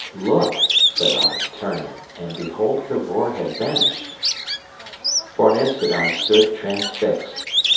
"Look!" said I, turning, and behold Cavor had vanished. For an instant I stood transfixed.